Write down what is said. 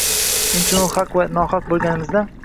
Inchunun, haq yoki nohaq bo‘lganimizda